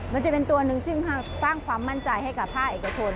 มันจะเป็นตัวหนึ่งซึ่งสร้างความมั่นใจให้กับภาคเอกชน